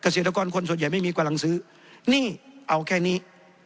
เกษตรกรคนส่วนใหญ่ไม่มีกำลังซื้อนี่เอาแค่นี้